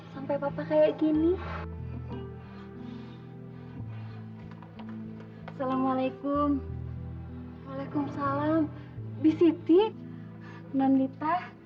cukup bougatt suara dekat